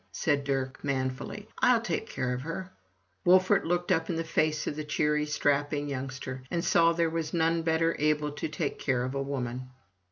said Dirk, manfully — "Fll take care of her!*' Wolfert looked up in the face of the cheery, strapping young ster, and saw there was none better able to take care of a woman.